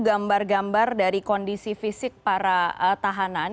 gambar gambar dari kondisi fisik para tahanan